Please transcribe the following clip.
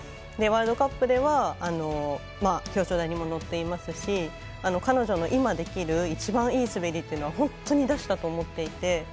ワールドカップでは表彰台にも乗っていますし彼女の今できる一番いい滑りというのを本当に出したと思っていて。